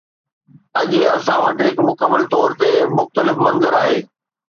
اڄ اسان وٽ هڪ مڪمل طور تي مختلف منظر آهي.